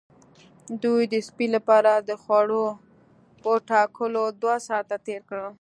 دوی د سپي لپاره د خوړو په ټاکلو دوه ساعته تیر کړل